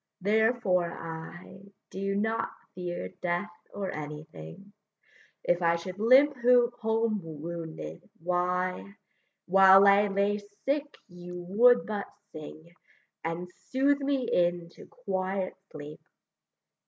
therefore I Do not fear death or anything; If I should limp home wounded, why, While I lay sick you would but sing, And soothe me into quiet sleep.